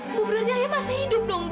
bu berati ayah masih hidup dong bu